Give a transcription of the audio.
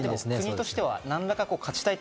国としてなんとか勝ちたいと